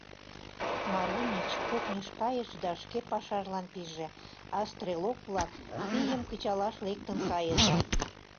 Марунич кухньыш кайыш да шке пашажлан пиже, а стрелок-влак пийым кычалаш лектын кайышт.